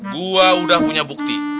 gue udah punya bukti